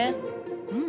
うん。